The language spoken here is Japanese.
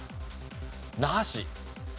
那覇市。